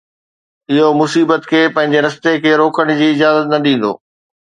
اهو مصيبت کي پنهنجي رستي کي روڪڻ جي اجازت نه ڏيندو.